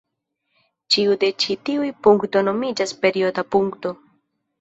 Ĉiu de ĉi tiuj punktoj nomiĝas perioda punkto.